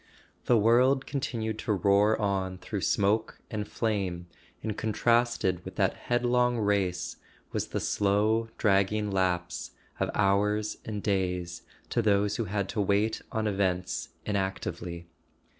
The world continued to roar on through smoke and flame, and contrasted with that headlong race was the slow dragging lapse of hours and days to those who had to wait on events inactively.